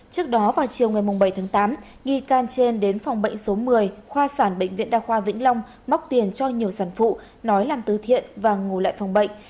trước đó vào chiều ngày bảy tháng tám nghi can trên đến phòng bệnh số một mươi khoa sản bệnh viện đa khoa vĩnh long móc tiền cho nhiều sản phụ nói làm tứ thiện và ngồi lại phòng bệnh